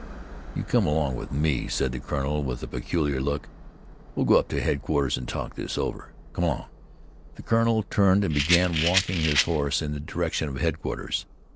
"You come along with me," said the colonel with a peculiar look. "We'll go up to headquarters and talk this over. Come along." The colonel turned and began walking his horse in the direction of headquarters.